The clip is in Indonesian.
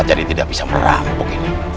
tidak bisa merampok ini